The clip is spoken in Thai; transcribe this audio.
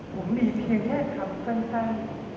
ผมมีเพียงแค่ขับสั้น